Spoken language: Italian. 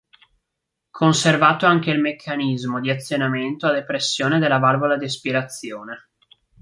Conservato anche il meccanismo di azionamento a depressione della valvola di aspirazione.